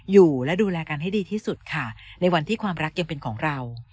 อยู่และดูแลกันให้ดีที่สุดค่ะในวันที่ความรักยังเป็นของเรา